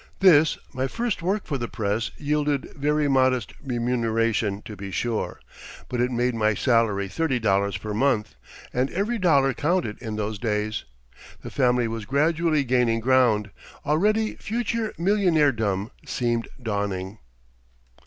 This, my first work for the press, yielded very modest remuneration, to be sure; but it made my salary thirty dollars per month, and every dollar counted in those days. The family was gradually gaining ground; already future millionairedom seemed dawning.